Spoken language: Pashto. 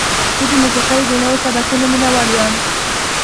زه د موسیقۍ د نوو سبکونو مینهوال یم.